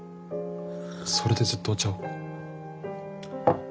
それでずっとお茶を。